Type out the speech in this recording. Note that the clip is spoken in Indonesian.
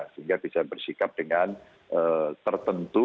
sehingga bisa bersikap dengan tertentu